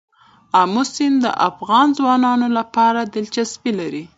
آمو سیند د افغان ځوانانو لپاره دلچسپي لري.